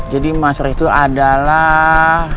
jadi masyarakat itu adalah